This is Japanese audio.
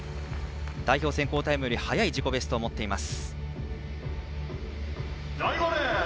代表選考タイムより速い自己ベストを持っています。